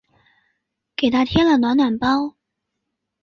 给她贴了暖暖包